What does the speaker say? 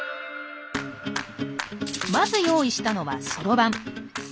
まず用意したのはそろばん。